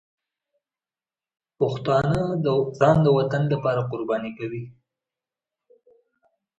پښتانه ځان د وطن لپاره قرباني کوي.